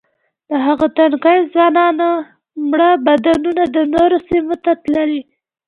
د هغو تنکیو ځوانانو مړه بدنونه د نورو سیمو ته تللي.